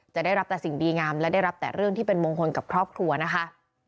ได้รับแต่สิ่งดีงามและได้รับแต่เรื่องที่เป็นมงคลกับครอบครัวนะคะ